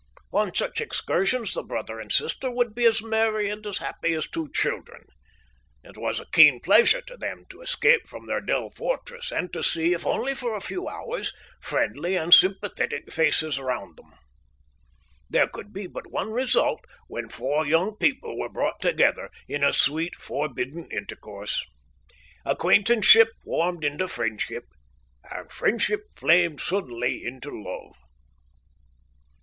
On such excursions the brother and sister would be as merry and as happy as two children. It was a keen pleasure to them to escape from their dull fortress, and to see, if only for a few hours, friendly and sympathetic faces round them. There could be but one result when four young people were brought together in sweet, forbidden intercourse. Acquaintance ship warmed into friendship, and friendship flamed suddenly into love.